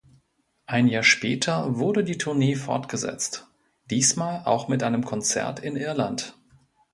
Ein Jahr später wurde die Tournee fortgesetzt, diesmal auch mit einem Konzert in Irland.